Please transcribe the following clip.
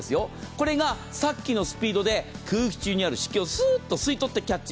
これがさっきのスピードで空気中にある湿気をスーッと吸い取ってキャッチ。